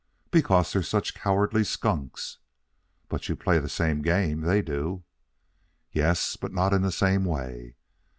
"Because they're such cowardly skunks." "But you play the same game they do." "Yes; but not in the same way."